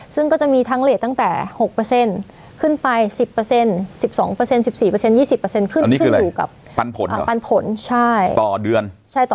ซึ่งก็จะมีทั้งเลสต์ตั้งแต่หกเปอร์เซ็นต์ขึ้นไปสิบเปอร์เซ็นต์